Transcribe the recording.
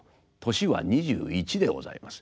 年は２１でございます。